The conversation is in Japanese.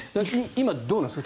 今どうなんですか？